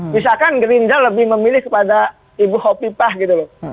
misalkan gerinda lebih memilih kepada ibu hopi pah gitu loh